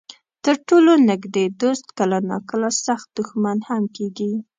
تر ټولو نږدې دوست کله ناکله سخت دښمن هم کېږي.